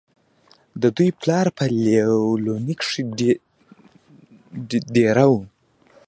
د دوي پلار پۀ ليلونۍ کښې دېره وو